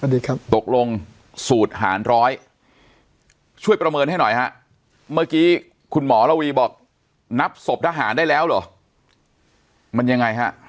ตกลงสูตรหารร้อยช่วยประเมินให้หน่อยฮะเมื่อกี้คุณหมอระวีบอกนับศพทหารได้แล้วเหรอมันยังไงฮะ